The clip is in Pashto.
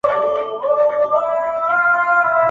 دیدن په لک روپۍ ارزان دی،